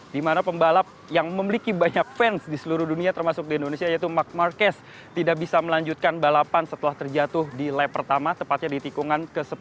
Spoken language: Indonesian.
di mana pembalap yang memiliki banyak fans di seluruh dunia termasuk di indonesia yaitu mark marquez tidak bisa melanjutkan balapan setelah terjatuh di lap pertama tepatnya di tikungan ke sepuluh